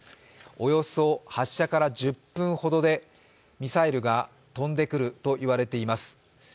およそ発射から１０分ほどでミサイルが飛んでくると言われています。